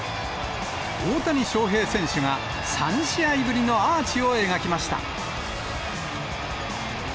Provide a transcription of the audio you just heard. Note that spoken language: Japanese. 大谷翔平選手が３試合ぶりのアーチを描きました。